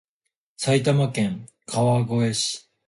埼玉県川越市